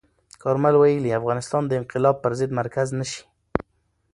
کارمل ویلي، افغانستان د انقلاب پر ضد مرکز نه شي.